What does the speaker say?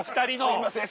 すいません。